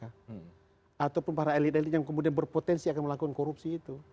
ataupun para elit elit yang kemudian berpotensi akan melakukan korupsi itu